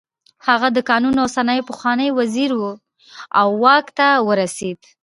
هغه د کانونو او صنایعو پخوانی وزیر و او واک ته ورسېد.